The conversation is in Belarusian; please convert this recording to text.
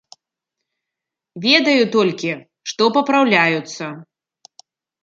Ведаю толькі, што папраўляюцца.